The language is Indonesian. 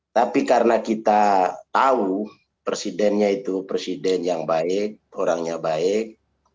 tapi karena kita tahu presidennya itu presiden yang baik orangnya baik